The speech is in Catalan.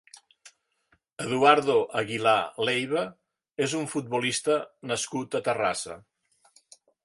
Eduardo Aguilar Leiva és un futbolista nascut a Terrassa.